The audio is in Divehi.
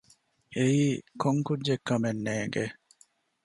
އެއީ ކޮން ކުއްޖެއްކަމެއް ނޭގެ